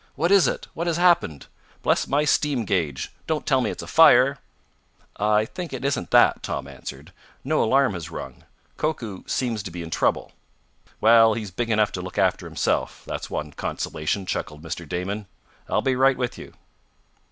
"What is it? What has happened? Bless my steam gauge, don't tell me it's a fire!" "I think it isn't that," Tom answered. "No alarm has rung. Koku seems to be in trouble." "Well, he's big enough to look after himself, that's one consolation," chuckled Mr. Damon. "I'll be right with you."